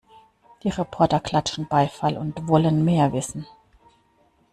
Die Reporter klatschen Beifall und wollen mehr wissen.